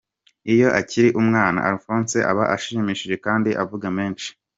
Iyo akiri umwana, Alphonse aba ashimishije kandi avuga menshi.